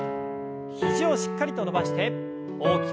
肘をしっかりと伸ばして大きく。